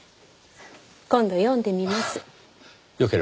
今度読んでみます。